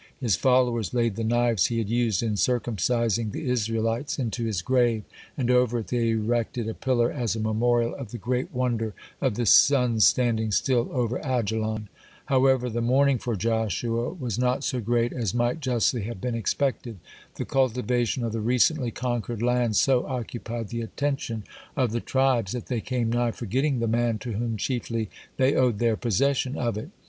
His followers laid the knives he had used in circumcising the Israelites (55) into his grave, and over it they erected a pillar as a memorial of the great wonder of the sun's standing still over Ajalon. (56) However, the mourning for Joshua was not so great as might justly have been expected. The cultivation of the recently conquered land so occupied the attention of the tribes that they came nigh forgetting the man to whom chiefly they owed their possession of it.